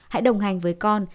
hãy đồng hành với con